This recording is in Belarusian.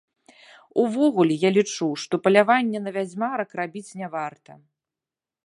Увогуле я лічу, што палявання на вядзьмарак рабіць не варта.